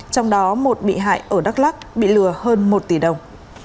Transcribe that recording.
trong đó một bị hại ở đắk lắc bị lừa hơn một tỷ đồng